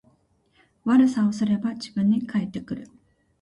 悪さをすれば自分に返ってくる